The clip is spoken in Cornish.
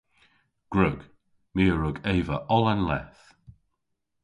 Gwrug. My a wrug eva oll an leth.